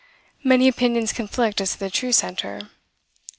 Many opinions conflict as to the true center.